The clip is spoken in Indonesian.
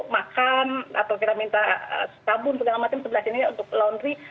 makan atau kita minta sabun segala macam sebelah sini untuk laundry